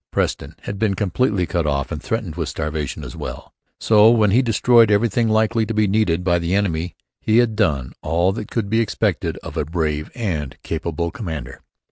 Preston had been completely cut off and threatened with starvation as well. So when he destroyed everything likely to be needed by the enemy he had done all that could be expected of a brave and capable commander.